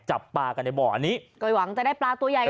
จับปลากันในบ่อนนี้เกิดหวังจะได้ปลาตั๋วใหญ่ข้างบน